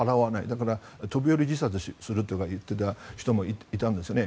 だから、飛び降り自殺するとか言っていた人もいたんですね。